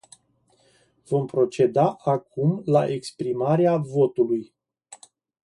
Vom proceda acum la exprimarea votului.